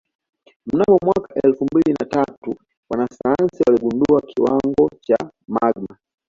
Mnamo mwaka elfu mbili na tatu wanasayansi waligundua kiwango cha magma